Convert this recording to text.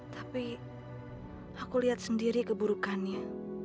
tapi aku lihat sendiri keburukannya